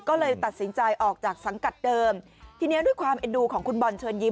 ก็เลยตัดสินใจออกจากสังกัดเดิมทีเนี้ยด้วยความเอ็นดูของคุณบอลเชิญยิ้